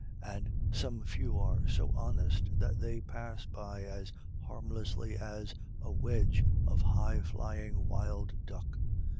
And some few are so honest that they pass by as harmlessly as a wedge of high flying wild duck.